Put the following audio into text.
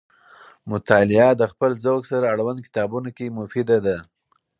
مطالعه د خپل ذوق سره اړوند کتابونو کې مفیده ده.